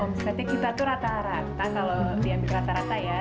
omsetnya kita tuh rata rata kalau diambil rata rata ya